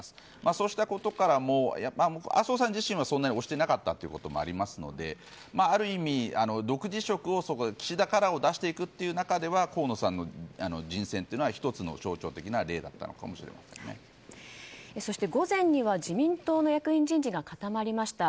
そうしたことからも麻生さん自身はそんなに推してなかったということもありますのである意味、独自色を岸田カラーを出していくという中では河野さんの人選というのは１つの象徴的な例だったのかもそして、午前には自民党の役員人事が固まりました。